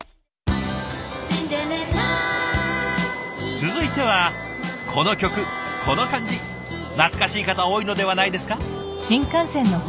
続いてはこの曲この感じ懐かしい方多いのではないですか？